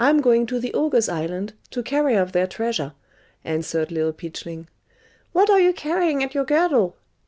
"I'm going to the ogres' island, to carry off their treasure," answered Little Peachling. "What are you carrying at your girdle?"